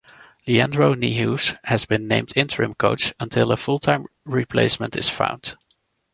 Leandro Niehues has been named interim coach until a full-time replacement is found.